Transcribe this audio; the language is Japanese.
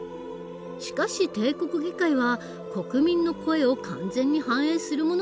しかし帝国議会は国民の声を完全に反映するものではなかった。